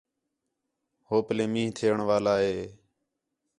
ہو پلّے مینہ تھیݨ والا ہِے